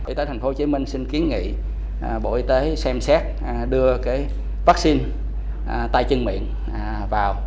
y tế tp hcm xin kiến nghị bộ y tế xem xét đưa cái vaccine tai chân miệng vào